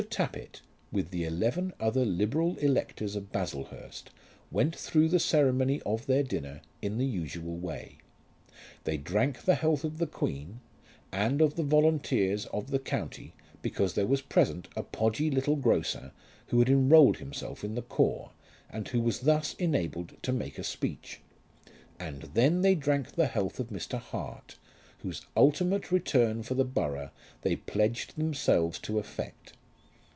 Tappitt with the eleven other liberal electors of Baslehurst went through the ceremony of their dinner in the usual way. They drank the health of the Queen, and of the volunteers of the county because there was present a podgy little grocer who had enrolled himself in the corps and who was thus enabled to make a speech; and then they drank the health of Mr. Hart, whose ultimate return for the borough they pledged themselves to effect.